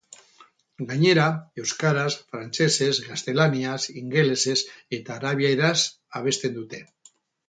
Gainera, euskaraz, frantsesez, gaztelaniaz, ingelesez eta arabieraz abesten dute.